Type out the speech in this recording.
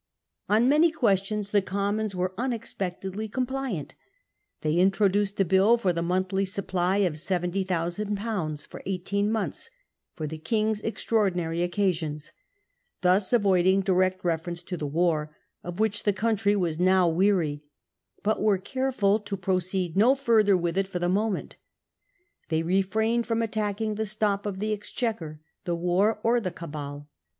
On many questions the Commons were unexpectedly compliant They introduced a bill for the monthly supply of 70,000 /. for eighteen months ' for the King's extraordinary occasions,' thus avoiding direct reference 222 The Parliamentary Conflict in England. 1673. to the war, of which the country was now weary, but were careful to proceed no further with it for the moment. They refrained from attacking the t top of the Exchequer, the War, or the Cabal.